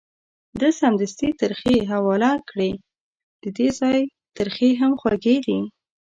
ده سمدستي ترخې حواله کړې، ددغه ځای ترخې هم خوږې دي.